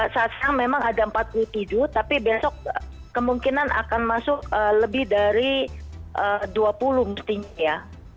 saat siang memang ada empat puluh tujuh tapi besok kemungkinan akan masuk lebih dari dua puluh mestinya ya